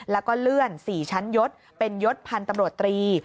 แล้วก็เลื่อน๔ชั้นยศเป็นยศพันธ์ตำรวจตรี